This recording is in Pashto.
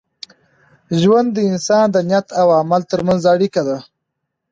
ژوند د انسان د نیت او عمل تر منځ اړیکه ده.